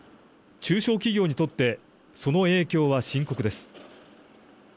中小企業にとってその影響は深刻です。